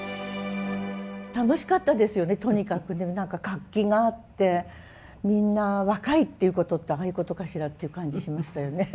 楽しかったですよねとにかく活気があってみんな若いっていうことってああいうことかしらっていう感じしましたよね。